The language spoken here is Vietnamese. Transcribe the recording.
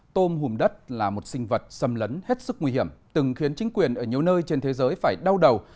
tôm hùm đất là một sinh vật xâm lấn hết sức nguy hiểm từng khiến chính quyền ở nhiều nơi trên thế giới phải đau đầu